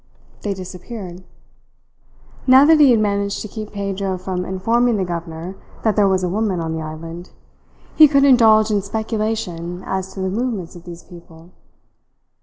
They disappeared. Now that he had managed to keep Pedro from informing the governor that there was a woman on the island, he could indulge in speculation as to the movements of these people.